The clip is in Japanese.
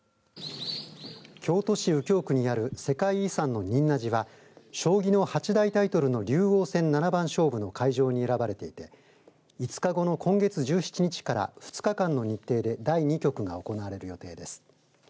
京都市右京区にある世界遺産の仁和寺は将棋の八大タイトルの竜王戦七番勝負の会場に選ばれていて５日後の今月１７日から２日間の日程で第２局が行われる予定です。